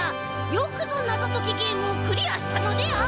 よくぞなぞときゲームをクリアしたのである。